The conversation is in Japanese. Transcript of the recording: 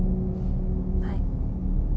はい。